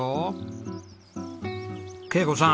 恵子さん